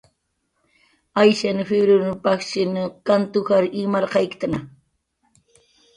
"Ayshan p""iwrirun pajshin kant ujar imarqayki. "